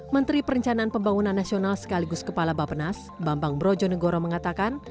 menteri perencanaan pembangunan nasional sekaligus kepala bapenas bambang brojonegoro mengatakan